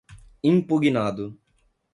impugnado